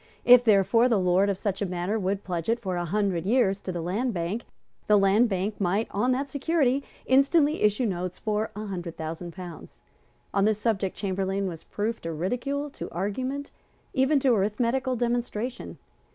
If, therefore, the lord of such a manor would pledge it for a hundred years to the Land Bank, the Land Bank might, on that security, instantly issue notes for a hundred thousand pounds. On this subject Chamberlayne was proof to ridicule, to argument, even to arithmetical demonstration.